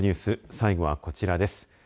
最後はこちらです。